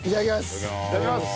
いただきます。